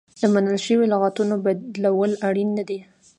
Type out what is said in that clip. د منل شویو لغتونو بدلول اړین نه دي.